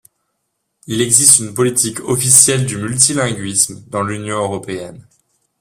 Il existe une politique officielle du multilinguisme dans l'Union européenne.